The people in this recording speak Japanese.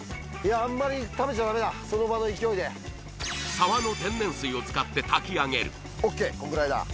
あんまり食べちゃダメだその場の勢いで沢の天然水を使って炊き上げるＯＫこんぐらいだ